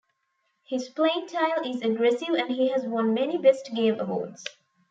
His playing style is aggressive and he has won many "best game" awards.